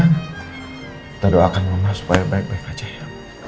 kita doakan mama supaya baik baik aja ya